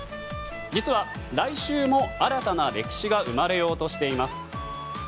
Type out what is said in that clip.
実は来週も新たな歴史が生まれようとしています。